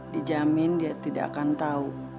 dijamin dia tidak akan tahu